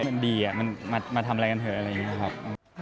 มันดีมันมาทำอะไรกันเถอะอะไรอย่างนี้ครับ